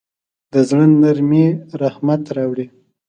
د زړه نرمي رحمت راوړي.